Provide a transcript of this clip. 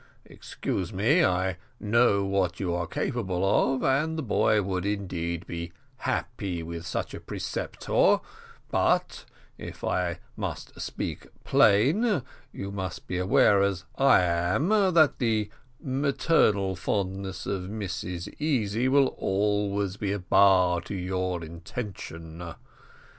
Excuse me, I know what you are capable of, and the boy would indeed be happy with such a preceptor, but if I must speak plain you must be aware as well as I am, that the maternal fondness of Mrs Easy will always be a bar to your intention.